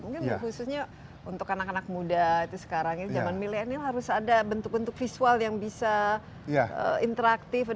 mungkin khususnya untuk anak anak muda itu sekarang ini zaman milenial harus ada bentuk bentuk visual yang bisa interaktif